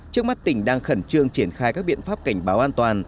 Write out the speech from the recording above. trước mắt tỉnh đang khẩn trương triển khai các biện pháp cảnh báo an toàn